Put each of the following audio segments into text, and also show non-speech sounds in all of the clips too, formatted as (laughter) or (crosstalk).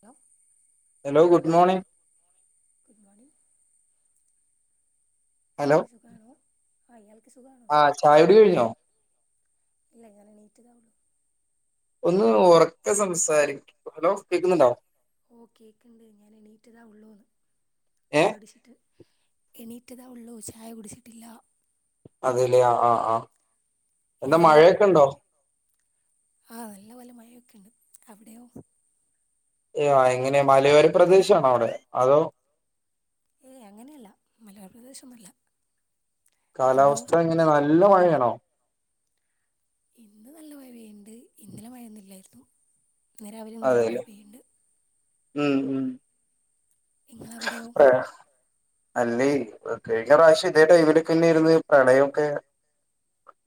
Hello hello good morning good morning ഇയാൾക്ക് സുഗാണോ ഇയാള് ആഹ ചായകുടി കഴിഞ്ഞോ ഇല്ല ഞാൻ എണീറ്റതെ ഒള്ളു ഒന്ന് ഉറക്ക സംസാരിക്ക് ഹലോ കേക്കുന്നുണ്ടോ ഓ കേക്കുന്നുണ്ട് ഞാൻ എണീറ്റതെ ഒള്ളൂന്ന് ഏ ചായ കുടിച്ചിട്ട് എണീറ്റതാ ഉള്ളൂ ചായ കുടിച്ചിട്ടില്ല അതെല്ലേ ആ ആ ആ എന്താ മഴയൊക്കെ ഉണ്ടോ ആഹ് നല്ലപൊലെ മഴയൊക്കെ ഉണ്ട് അവിടെയോ ഏ എങ്ങനെ മലയോര പ്രദേശണോ അവിടെ അതോ ഏയ് അങ്ങനെയല്ല മലയോര പ്രദേശമൊന്നും അല്ല കാലാവസ്ഥ എങ്ങനെ നല്ല മഴയാ ആണോ ഇന്ന് നല്ല മഴ പെയ്യ്ണ്ട് ഇന്നലെ മഴയൊന്നുംഇല്ലായിരുന്നു ഇന്ന് രാവിലെ മുതലെ മയ അതെല്ലേ പെയ്ണ്ട് ഉം ഉം നിങ്ങളവിടെയോ പ്ര അല്ലേ കഴിഞ്ഞ പ്രാവശ്യം ഇതേ ടൈമിലൊക്കെന്നെആയിരുന്ന് പ്രളയംഒക്കെ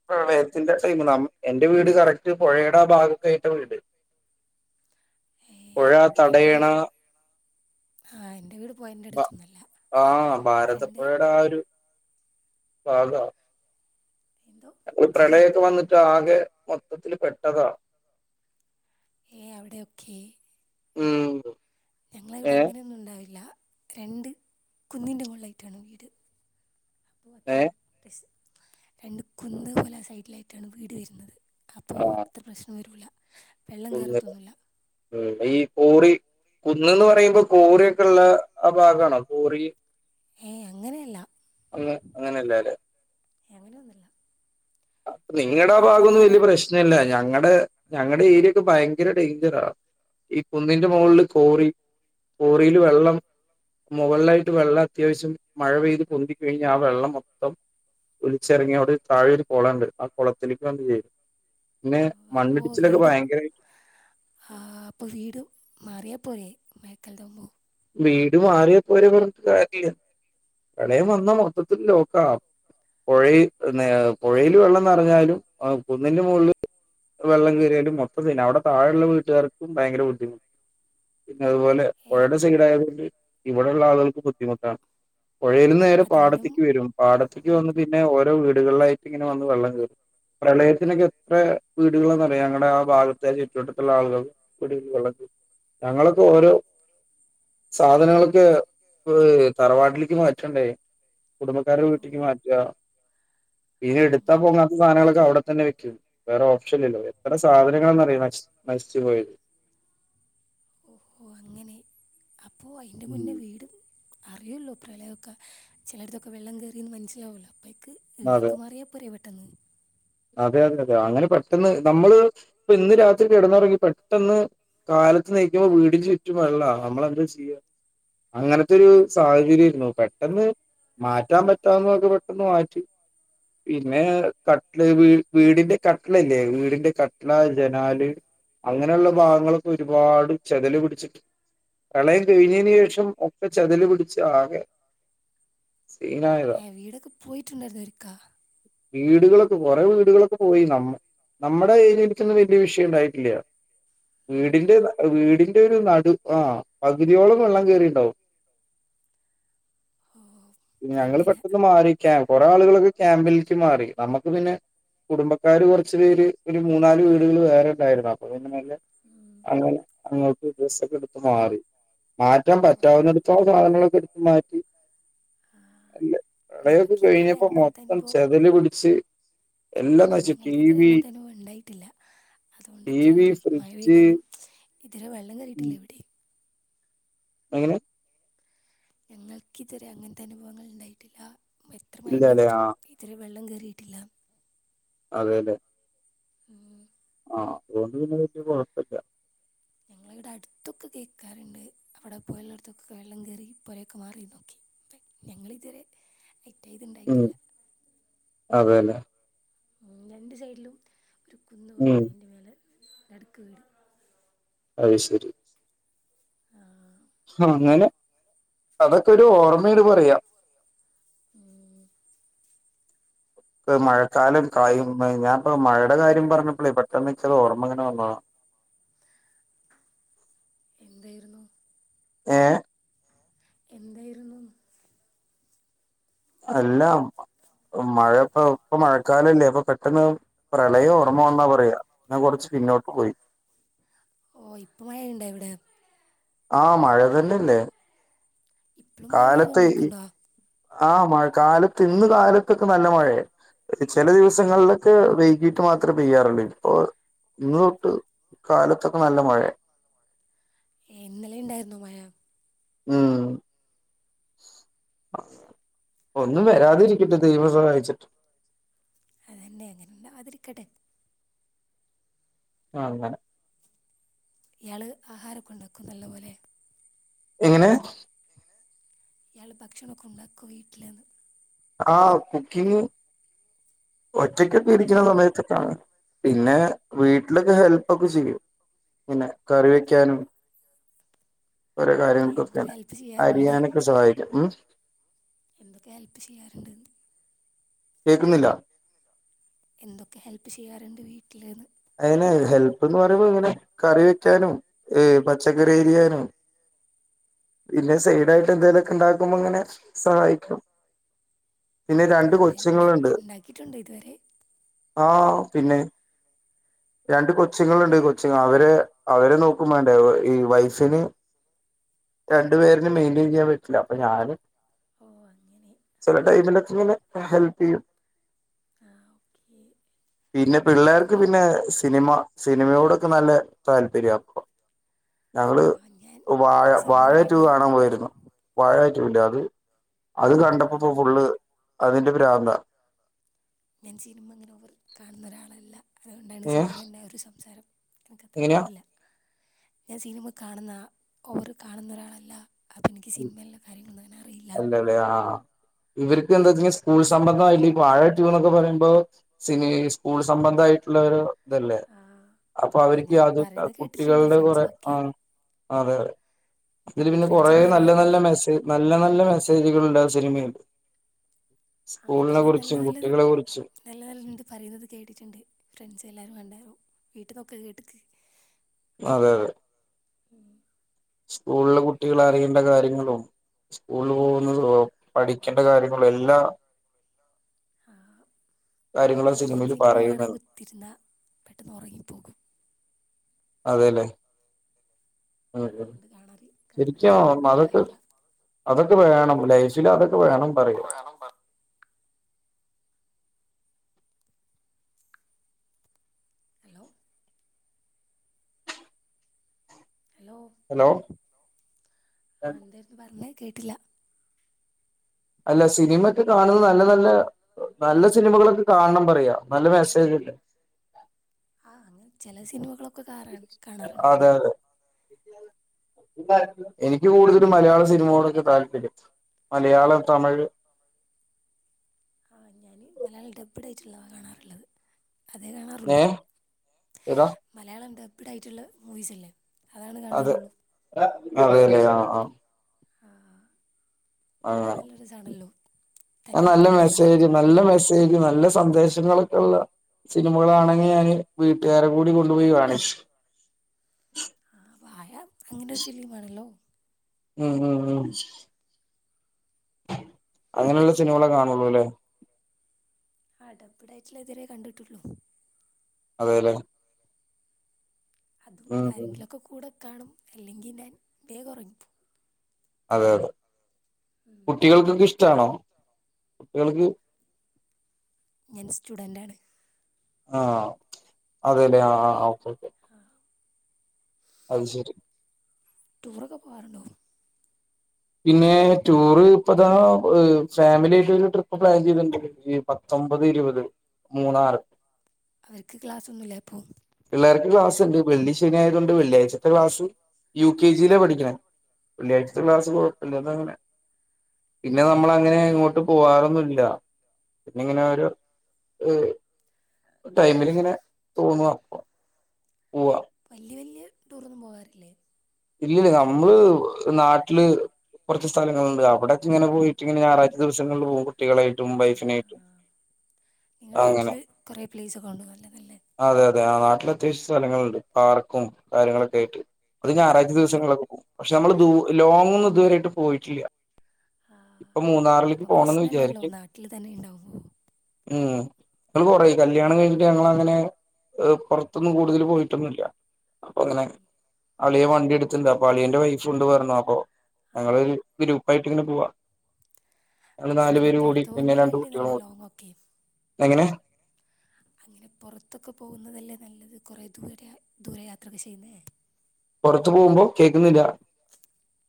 പ്രളയത്തിന്റെ ടൈമില എന്റെ വീട് കറക്റ്റ് പുഴയുടെ ആ ഭാഗൊത്തെയിട്ട വീട് ഏ, പുഴ തടയണ ആഹ എന്റെ വീട് പോയതിൻ്റെ ഉവ്വ അടുത്തൊന്നുമല്ല ആഹ രണ്ട് ഭാരതപ്പുഴയുടെ ആ ഒരു ഭാഗാ എന്തോ അ പ്രളയ - വന്നിട്ട് ആകെ മൊത്തത്തില് പെട്ടതാ ഏ അവിടെയക്കെ ഉം ഞങ്ങള ഇവിടെ ഏ അങ്ങനെയൊന്നും ഉണ്ടാവില്ല രണ്ട് കുന്നിന്റെ മുകളിലായിട്ടാണ് വീട് അപ്പോൾ ഏ അത്ര അസ് രണ്ട കുന്ന് പോലെ സൈഡിലായിട്ടാണ് വീട് വരുന്നത് അപ്പോ അത്ര പ്രശ്നം വരൂല ഒന്ന ഉ ഈ കോറി കുന്ന്ന്ന് പറയുമ്പോ കോറിയ ഒക്കെ ഉള്ള ആ ഭാഗമാണോ കോറി ഏയ് അങ്ങനെയല്ല അങ്ങ അങ്ങനെയല്ലല്ല എങ്ങനെയൊന്നുമില്ല നിങ്ങളുടെ ആ ഭാഗമൊന്നും വലിയ പ്രശ്ന ഇല്ല ഞങ്ങ ടെ ഞങ്ങളുടെ ഏരിയക്ക ഭയങ്കര ഡേഞ്ചറണ് ഈ കുന്നിന്റെ മുകളില് കോറി കോറിയിൽ വെള്ളം മുകളിലായിട്ട് വെള്ള അത്യാവശ്യം മഴ പെയ്ത് പൊന്തി കഴിഞ്ഞ് ആ വെള്ളം മൊത്തം ഒലിച്ചിറങ്ങി അവിടെ താഴ കുളംഉണ്ട് ആ കുളത്തിലേക്ക് വന്ന് ചേരും പിന്നെ അപ്പൊ മണ്ണിടിച്ചിലൊക്കെ വീട് ഭയങ്കര ആ അപ്പൊ വീട് മാറിയാ പോരെ മേക്കൽതമ വീട് മാറിയാ പോരെ പറഞ്ഞിട്ട് കാര്യല്ല ഇളം വന്ന മൊത്തത്തിൽ ലോക്കാ പുഴ പുഴയില് വെള്ളം നിറഞ്ഞാലും കുന്നിന്റെ മുകളിൽ വെള്ളം കയറിയാലും മൊത്തത്തി തന്നെ അവിടെ താഴെയുള്ള വീട്ടുകാർക്കും ഭയങ്കര ബുദ്ധിമുട്ടു അതുപോലെ ഏ പുഴടെ യതുകൊണ്ട് ഇവിടെയള്ള ആളുകൾക്ക് ബുദ്ധിമുട്ടാണ് പുഴയിൽ നിന്ന് നേരെ അതിൻ്റെ പാടത്തേക്ക് മു- വരും പാടത്തേക്ക് വന്ന് പിന്നെ ഓരോ വീട് വീടുകളിലായിട്ട ഇങ്ങനെ വന്ന് വെള്ളം കയറും പ്രളയത്തിനൊക്കെ എത്ര വീടുകളാന്നറിയോ ഞങ്ങളുടെ ആ ഭാഗത്തെ ചുറ്റുവട്ടത്തുള്ള ആളുകൾ വീടിൽ വെള്ളം കയറും ഞങ്ങളൊക്കെ ഓരോ സാധനങ്ങളൊക്കെ തറവാട്ടിലേക്ക് മാറ്റണ്ടേ കുടുംബക്കാരുടെ ഓ വീട്ടിക്ക് മാറ്റുക പിന്നെ ഓ, എടുത്താ അങ്ങനെ പോങ്ങാത്ത സാധനങ്ങളൊക്കെ അവിടെത്തന്നെ വെക്കും വേറെ ഓപ്ഷൻ ഇല്ലോ എത്ര സാധനങ്ങളന്നറിയാം നശിച്ചുപോയത് ഓ അയിന്റെ മുന്നേ വീട് അറിയല്ലോ പ്രളയൊക്ക ചിലടത്തക്കെ വെള്ളം കയറിന്ന് മനസ്സിലാവുമലോ അപ്പ അതെ പുരെ പെട്ടന്ന് അതെ അതെ അതെ അങ്ങനെ പെട്ടെന്ന് നമ്മള് ഇ ഇന്ന് രാത്രി കിടന്നുറങ്ങി പെട്ടെന്ന് കാലത്ത് നീക്കുമ്പോൾ വീടിന് ചുറ്റും വെള്ളാ നമ്മള് എന്താ ചെയ്യുക അങ്ങനത്തെരു സാഹചര്യായിരുന്നു പെട്ടെന്ന് മാറ്റാൻ പറ്റാവുന്നതൊക്കെ പെട്ടെന്ന് മാറ്റി പിന്നെ കട്ടി വീടിന്റെ കട്ടലല്ലേ വീടിന്റെ കട്ടല ജനാല് ഉം. അങ്ങനെയുള്ള ഭാഗങ്ങളൊക്കെ ഒരുപാട് ചെതല് പിടിച്ചിട്ട് പ്രളയം കഴിഞ്ഞതിന് ശേഷം ഒക്കെ ഇപ്പൊ ചതൽ പിടിച്ച് ആകെ സീനായതാ ഏ വീടൊക്കെ പോയിട്ടുണ്ടായിരുന്നു ഒരുക്ക വീടുകളൊ കൊറെേ വീടുകളൊക്കെ പോയി നമ്മ നമ്മുടെ ഏരിയക്ക് ഒന്നും വലിയ വിഷയം ഉണ്ടായിട്ടില്ല ഉം. വീടിന്റെഅ വീടിൽ റ്റൊരു നടു ആ പകുതിയോളം വെള്ളം കേയറീണ്ടാവു ഓ ഞങ്ങള് അങ്ങനെ പെട്ടെന്ന് മാറിക്കാ കൊറേ ആളുകൾക്കെ ക്യാമ്പിൽക്ക് മാറി നമ്മ ത് പിന്നെ കുടുംബക്കാര് കുറച്ചു പേര് ഒരു മൂന്നാല് വീടുകൾ വേറെണ്ടായിരുന്നു അപ്പൊ പിന്നെ മെല്ലെ ഉം. അങ്ങോട്ട് ഡ്രസ്സൊക്കെ എടുത്ത് മാറി മാറ്റാൻ ഓ പറ്റാവുന്ന എടുത്തോളം സാധനങ്ങളൊക്കെ എടുത്ത് മാറ്റി ആ, അല്ല പ്രളയംഒക്കെ ഞങ്ങൾക്ക് ഇതുവരെ കഴിഞ്ഞപ്പോ അങ്ങനത്തെ മൊത്തം അനുഭവം ചെതല് പിടിച്ച് എല്ലാം നശിച്ചു. ടി ഞങ്ങൾക്ക് ഇത് വരെ വി അങ്ങൻതെ അനുഭവ ണ്ടായിട്ടില്ല ടി അതുകൊണ്ട്ത്ര വി, അറിയില്ല മഴ ഫ്രിഡ്ജ് പെയ്താലും ഇത് വരെ വെള്ളം ഉം കേറീട്ടില്ല എവിടിം എങ്ങനെ ഞങ്ങൾക്ക് ഇതുവരെ അങ്ങനത്തെ അനുഭവങ്ങൾ ഇണ്ടായിട്ടില്ല എത്ര മഴ ഇല്ലല്ലേ പെയ്തിട്ടും ആഹ് (unintelligible) വെള്ളം കയറിയിട്ടില്ല അതെ ല്ലെ ഉം ആ അതുകൊണ്ട് പിന്നെ പറ്റിയ കൊഴപ്പല്ല്യാ ഞങ്ങളിവിടെ അടുത്തൊക്കെ കേക്കാറുണ്ട് അവടെ പൊയള്ളോട്തൊക്കെ വെള്ളം കേറി പോരയക്കെ മാറി നോക്കി ഞങ്ങളിതുവരെ ഇന്റേത് ണ്ടായിട്ടില്ല അതെന്നെ രണ്ട് സൈഡിലും ഒരു കുന്ന് പോലെ ഉം അതിൻ്റെ മേലെ നടുക്ക് വീട് അത് ആഹ് അ ഞാനെ അതൊക്കെ ഒരു ഓർമ്മേല് പറയാ പെ മഴക്കാലം കയ്യുംമുന്പേ ഞാൻപ്പൊ മഴയുടെ കാര്യം പറഞ്ഞപ്പളെ ഇ പെട്ടെന്ന് ഇൻക്കത് ഓർമ്മ ഇങ്ങനെ വന്നതാ എന്തായിരുന്നു ഏ എന്തായിരുന്നു അല്ല മഴ പ്പോ ഇപ്പൊ മഴക്കാലല്ലേ അപ്പൊ പെട്ടെന്ന് പ്രളയം ഓർമ വന്നാ പറയാ ഞാൻ കൊറച്ച് പിന്നോട്ട് പോയി ഓ ഇപ്പ മഴയുണ്ടോ അവിടെ ആഹ് മഴ തന്നെല്ലേ ഇപ്പളും മഴ പെയ്തോണ്ടിരിക്കുന്നുണ്ടോ ആഹ് മഴ കാലത്ത് ഇന്ന് കാലത്തൊക്കെ നല്ല മഴയെ ചില ദിവസങ്ങളിലൊക്കെ വൈകിട്ട് മാത്രേ പെയ്യാറുള്ളൂ ഇപ്പൊ ഇന്ന് തൊട്ട് കാലത്തൊക്കെ നല്ല മഴയ ഏ ഇന്നലെ ഉണ്ടായിുന്നോ മഴ ഉം ഒന്നും വരാതിരിക്കട്ടെ ദൈവം സഹായിച്ചിട്ട് അതന്നെ അങ്ങനെണ്ടാവാതിരിക്കട്ടെ ആങ്ങനെ ഇയാള് ആഹാരൊക്കെണ്ടാക്കോ നല്ലപോലെ എങ്ങനെ ഇയാള് ഭക്ഷണൊക്കെ ഉണ്ടാകോ വീട്ട്ല്ന്ന് ആ കുക്കിംഗ് ഒറ്റക്കൊക്കെ ഇരിക്കുന്ന ചെയ്യാറും സമയത്തൊക്കാണ് പിന്നെ വീട്ടിലൊക്കെ ഹെൽപൊക്കെ ചെയ്യും പിന്നെ കറി വെക്കാനും ഓരോ കാര്യങ്ങൾക്കൊ ഒക്കെ എന്തൊക്കെ തന്നെ ഹെൽപ്പ് ചെയ്യാറുണ്ട് അരിയാനൊക്കെ സഹായിക്കും ഉം എന്തൊക്കെ ഹെല്പ്പ് ചെയ്യാറ്ണ്ട് കേൾക്കുന്നില്ല എന്തൊക്കെ ഹെൽപ്പ് ചെയ്യാറുണ്ട് വീട്ടിൽന്ന് അങ്ങനെ ഹെല്പ്ന്ന് പറയുമ്പോ ഇങ്ങനെ കറി വെക്കാനും ഏ പച്ചക്കറി അരിയാനും പിന്നെ സൈഡായിട്ട് എന്തെലൊക്കെ ഇണ്ടാക്കുമ്പോ അങ്ങനെ സഹായിക്കും പിന്നെ ആ രണ്ട് എന്തെങ്കിലും ഉണ്ടാ കൊച്ചങ്ങളുണ്ട് ഉണ്ടാക്കിയിട്ടുണ്ടോ ഇതുവരെ ആ പിന്നെ രണ്ട് കൊച്ചിങ്ങുണ്ട് കൊച്ചി അവരെ അവരെ നോക്കുമ്പണ്ടേ ഈ വൈഫിന് രണ്ടു പേരും മെയിന്റയിൻ ചെയ്യാൻ പറ്റില്ല അപ്പൊ ഞാന് ഓ അങ്ങനെ ആ ചെല ടൈമിലൊക്കെ ഓക്കെ ഇങ്ങനെ ഹെൽപ് ചെയ്യും ആ ഓക്കെ പിന്നെ പിള്ളേർ ടൂർ സിനിമ സിനിമയോടൊക്കെ നല്ല താല്പര്യപ്പ ഞങ്ങള് ആഹ് ഞാൻ വാഴ സിനിമ അങ്ങനെ വാഴറ്റു ഓവറ് കാണാൻ പോയിരുന്നു വാഴ അത് കണ്ടപ്പോ ഇപ്പോ ആഹ് ഫുള്ള് അതിന്റെ ഭ്രാന്താ ഞാൻ സിനിമ ഇങ്ങനെ കാണുന്നൊരാളല്ല അതുകൊണ്ടാണ് ഏഹ് സിനിമ്ന്നേ ഒരു സംസാരം എനക്കത്ര എങ്ങനെയാ അറിയില്ല ഞാൻ സിനിമ കാണുന്ന ഓവർ കാണുന്നൊരാളല്ല അപ്പൊ എനിക്ക് സിനിമയിലുള്ള കാര്യങ്ങളൊന്നുംങ്ങനെ അറിയില്ല അല്ലല്ലേ ആഹ് ഇവർക്ക് എന്താ വെച്ചാൽ സ്കൂൾ സംബന്ധായിട്ട് അല്ല ഈ വാഴ ട്യൂന്നൊക്കെ പറയുമ്പോ സിനി സ്കൂൾ സംബന്ധായിട്ടുള്ളൊരു ഇതല്ലേ ആഹ് അപ്പൊ ആഹ് അവര്ക്ക് ഞാൻ അത് പറയുന്നത് കേട്ടിട്ടുണ്ട് കുട്ടികളുടെ കുറെ ആ ഫ്രണ്ട്സുകളൊക്കെ അതെ അതെ അതില് പിന്നെ കൊറ ഫ്രണ്ട്സൊക്കെ നല്ല നല്ല പറയാറുണ്ട് മെസ് നല്ല നല്ല ശൈലികളുണ്ടാവും സിനിമയിണ്ട് ആ അതില് നല്ല നല്ലത് നല്ല നല്ലത് പറയുന്നത് കേട്ടിട്ടുണ്ട് ഫ്രണ്ട്സ് എല്ലാരും കണ്ടറും വീട്ടിന്നൊക്കെ കേട്ടീ അതെ അതെ സ്കൂളിലെ കുട്ടികൾ അറിയേണ്ട കാര്യങ്ങളും സ്കൂളിൽ പോകുന്നത് പഠിക്കേണ്ട കാര്യങ്ങളും എല്ലാ കാര്യങ്ങളും ഞാൻ സിനിമയിൽ സിനിമ കാണാൻ പറയുന്നുണ്ട് കുത്തിരുന്നാ പെട്ടെന്ന് ഉറങ്ങിപ്പോകും അതെല്ലേ (unintelligible) അതുകൊണ്ട് കാണാറ് കാണാൻ ഇരിക്കാറില്ല അത് വേണം ലൈഫിൽ അത് വേണം പറയാ ഹലോ ഹലോ ഹലോ ആ എന്തേരുന്നു പറഞ്ഞേ കേ ട്ടില്ല അല്ല സിനിമെക്കെ കാണുന്ന നല്ല നല്ല നല്ല സിനിമകളൊക്കെ കാണണം പറയാ നല്ല മെസ്സെജ് ഇണ്ട് ആ അങ്ങനെ ചെല സിനിമകളൊക്കെ കാറാ കാണാറ് ഇണ്ട് അതെ അതെ (unintelligible) എനിക്ക് കൂടുതലും മലയാള സിനിമകളോടൊക്കെ താല്പര്യം മലയാളം തമിഴ് ആ ഞാൻ മലയാളി ഡബ്ഡ് ആയിട്ട് ഇള്ളതാ കാണാർ ഇള്ളത് അതേ ഏ കാണാറൊള്ളു ഏതാ മലയാളം ഡബ് പ്ഡ് ആയിട്ട് ഇള്ള മൂവീസ് ഇല്ലെ അത് (unintelligible) അതെ ലെ ആ ആ അ ആ അത് നല്ല രസ ആണല്ലോ അയ് നല്ല മെസ്സേജ് നല്ല മെസ്സെ സെജും നല്ല സന്ദേശങ്ങളൊക്കെ ഉള്ള സിനിമകളാണെങ്കി ഞാന് വീട്ടാരെ കൂടി കൊണ്ടുപോയി കാണിച്ചു ആ വാഴ അങ്ങനെ ഒരു ഫിലിമാണല്ലോ ഉം ഉം ഉം അങ്ങനെയുള്ള സിനിമകളെ കാണു ഒള്ളു ലെ ആ ഡബ്ബ്ഡായിട്ട് ഇള്ളെ ഇത് വെരെ കണ്ടിട്ടൊള്ളു അതെ ലെ അതും ഉം ആരെങ്കിലും ഒക്കെ കൂടെ കാണും ഇല്ലെങ്കിൽ ഞാൻ വേഗം ഉറങ്ങിപ്പോകും അതെ അതെ കുട്ടികൾക്കൊക്കെ ഇഷ്ടാണോ കുട്ടികൾക്ക് ഞാൻ സ്റ്റുഡന്റ് ആണ് ആ അതയല്ലെ ആ ആ ഓക്കേ ആ അത് ശരി ടൂർ ഒക്കെ പോകാറുണ്ടോ പിന്നെ ടൂറ് ഇപ്പോ ഇതാ ഫാമിലി ആയിട്ട് ഒരു ട്രിപ്പ് പ്ലാൻ ചെയ്തിട്ടുണ്ട് പത്തൊമ്പത് ഇരുപത് മൂന്നാറ് അവർക്ക് ക്ലാസ്സൊന്നുമില്ലേ ഇപ്പോ പിള്ളേർക്ക് ക്ലാസ് ഉണ്ട് വെള്ളി ശനി ആയതു കൊണ്ട് വെള്ളിയാഴ്ചത്തെ ക്ലാസ് യു കെ ജിയിലാ പഠിക്കണേ വെള്ളാഴ്ചത്തെ ക്ലാസ് പോകും പിന്നെന്താങ്ങനെ പിന്നെ നമ്മൾ അങ്ങനെ എങ്ങോട്ടും പോവാറൊന്നുമില്ല പിന്നങ്ങനെ ഓരോ ഏ ഒരു ടൈമിൽ ഇങ്ങനെ തോന്നുവാ വാ പൂവാം വല്യ വല്യ ടൂറൊന്നും പോകാറില്ലേ ഇല്ല നമ്മള് നാട്ടില് കുറച്ച് സ്ഥലങ്ങളുണ്ട് അവിടൊക്കെ ഇങ്ങനെ പോയിട്ട് ഇങ്ങനെ ഞായറാഴ്ച ദിവസങ്ങളിൽ പോകുമ്പോ കുട്ടികളെയായിട്ടും ആഹ് വൈഫിനെയായിട്ടും ആഹ് നിങ്ങളുടെ നാട്ടിൽ അങ്ങനെ കുറേ പ്ലേസൊക്കെ ഉണ്ട് നല്ല നല്ല ആ അതേ അതേ ആം നാട്ടില് അത്യാവശ്യം സ്ഥലങ്ങളുണ്ട് പാർക്കും കാര്യങ്ങൾ ഒക്കെ ആയിട്ട് ഒരു ഞാ ആ അപ്പം പ്ര ദിവസങ്ങളൊക്കെ പോവും പക്ഷെ നമ്മള് ദൂ ലോങ് ഒന്നും ഇതുവരെയായിട്ട് പോയിട്ടില്ല ആ പ്പം മൂന്നാറിലേക്ക് അപ്പം പോണംന്ന് പ്രശ്നമില്ലല്ലോ വിചാരിക്ണ്ട് നാട്ടിൽ തന്നെ ഉണ്ടാവുമ്പോൾ ഉം ഞങ്ങള് കുറേ കല്യാണം കഴിഞ്ഞിട്ട് ഞങ്ങള് അങ്ങനെ പുറത്തൊന്നും കൂടുതൽ പോയിട്ടൊന്നുല്ല അപ്പൊ അങ്ങനെ അളിയൻ വണ്ടി എട് (unintelligible) അളിയന്റെ വൈഫ് ഉണ്ട് പറഞ് അപ്പൊ ആ ഞങ്ങളൊരു വൈകിട്ങ്ങനെ പോവാ ഞങ്ങള് നാലു അങ്ങനെ പേര് കൂടി പുറത്ത് പിന്നെ രണ്ട് പോകുന്നതല്ലേ കുട്ടികളും നല്ല കൂടി ലോങ്ങൊക്കെ എങ്ങനെ അങ്ങനെ പുറത്തൊക്കെ പോകുന്നതല്ലേ നല്ലത് കുറേ ദൂര ദൂര യാത്രയൊക്കെ ചെയ്ന്നേ പോറത്ത് പോകുമ്പോ കേക്കുന്നില്ല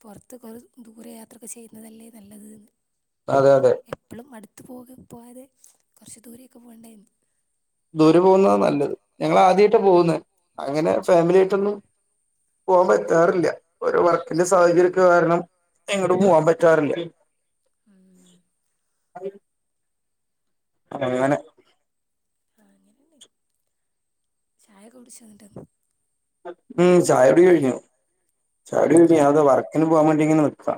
പുറത്ത് കുറേ ദൂരെ യാത്ര യൊക്കെ ചെയ്യുന്നതല്ലേ നല്ലത് ന്ന്‌ അതെ അടുത്ത് അതെ പോ എപ്പളും അടുത്ത് പോക പോവാതെ കോർച്ച് ദൂരെക്കെ പോണ്ടേ ദൂരെ പോകുന്നതാ നല്ലത് ഞങ്ങള് ആദ്യയിട്ടാ പോകുന്നെ അങ്ങനെ ഫാമിലി ആയിട്ടൊന്നും പോകാൻ പറ്റാറില്ല ഓരോ വ ന്റെ ആഹ് സാഹചര്യംക്കെ ആഹ് കാരണം എങ്ങട്ടും പോവാൻ പറ്റാറില്ല ആ (unintelligible) അങ്ങനെ ആ അങ്ങനെന്നേ ചായ കുടിചോന്നട്ട് ഉം ചായകുടി കഴിഞ്ഞു ചായകുടി കഴിഞ്ഞു ഞാൻ ദാ വർക്കിന് പോകാൻ വേണ്ടി ഇങ്ങനെ നിക്കാ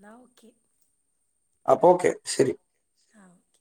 ന്നാ ഓക്കേ അപ്പൊ ഓക്കെ ശരി ആ ഓക്കേ